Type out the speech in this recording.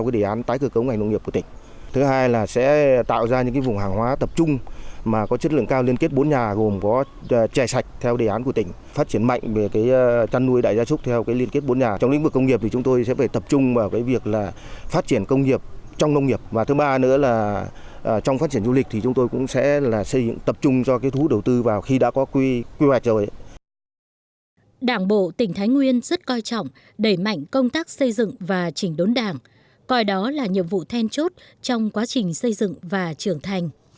đảng bộ tỉnh thái nguyên rất coi trọng đẩy mạnh công tác xây dựng và chỉnh đốn đảng coi đó là nhiệm vụ then chốt trong quá trình xây dựng và trưởng thành